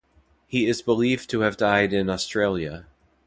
He is believed to have died in Australia.